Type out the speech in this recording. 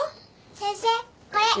先生これ。